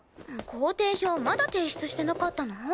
行程表まだ提出してなかったの？